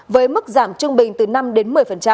với mức giảm trung bình từ năm đến một mươi